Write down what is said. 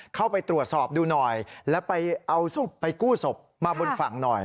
เข้าไปตรวจสอบดูหน่อยแล้วไปเอาศพไปกู้ศพมาบนฝั่งหน่อย